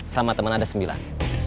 sama temen anda sembilan